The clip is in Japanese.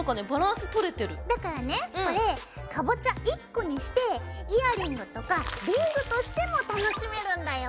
だからねこれかぼちゃ１個にしてイヤリングとかリングとしても楽しめるんだよ！